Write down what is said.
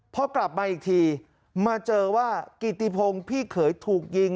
พอกลับมาอีกทีมาเจอว่ากิติพงศ์พี่เขยถูกยิง